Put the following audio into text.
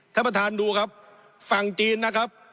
ท่านประธานดูครับฝั่งจีนนะครับ